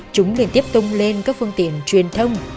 chúng liên tiếp tung lên các phương tiện truyền thông